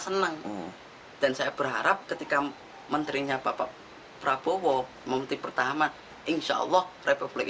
senang dan saya berharap ketika menterinya bapak prabowo menteri pertama insyaallah republik